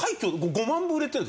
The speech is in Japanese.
５万部売れてるの？